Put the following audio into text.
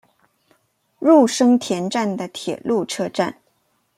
入生田站的铁路车站。